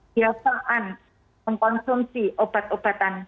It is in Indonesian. kebiasaan mengkonsumsi obat obatan